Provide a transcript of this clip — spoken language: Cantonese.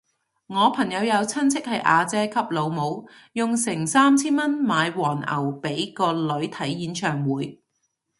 我朋友有親戚係阿姐級老母，用成三千蚊買黃牛俾個女睇演唱會